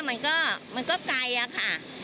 มันก็มันก็ไกลอะค่ะ